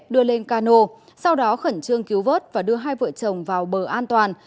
đưa lên cano sau đó khẩn trương cứu vớt và đưa hai vợ chồng vào bờ an toàn